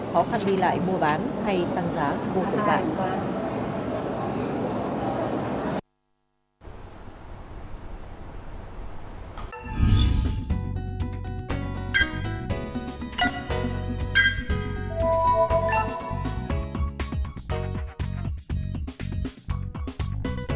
khó khăn đi lại mua bán hay tăng giá vô tối đại